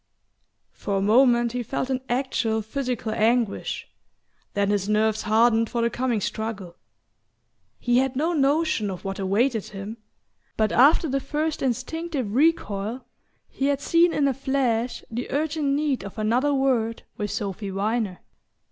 For a moment he felt an actual physical anguish; then his nerves hardened for the coming struggle. He had no notion of what awaited him; but after the first instinctive recoil he had seen in a flash the urgent need of another word with Sophy Viner.